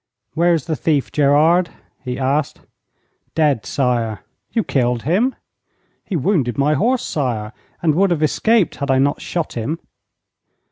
'Where is the thief, Gerard?' he asked. 'Dead, sire.' 'You killed him?' 'He wounded my horse, sire, and would have escaped had I not shot him.'